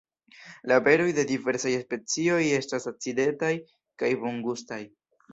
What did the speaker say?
La beroj de diversaj specioj estas acidetaj kaj bongustaj.